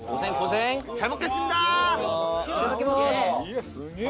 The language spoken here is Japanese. いやあすげえ！